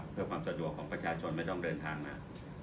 เพื่อความสะดวกของประชาชนไม่ต้องเดินทางมา